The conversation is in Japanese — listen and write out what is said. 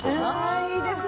いいですね！